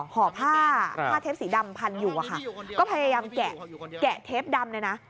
ห่อผ้าผ้าเทปสีดำพันอยู่อะค่ะก็พยายามแกะเทปดำเลยนะ